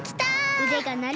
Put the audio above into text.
うでがなる！